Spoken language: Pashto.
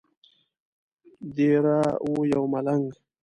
دیره وو یو ملنګ.